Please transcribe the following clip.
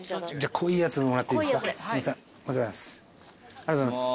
ありがとうございます。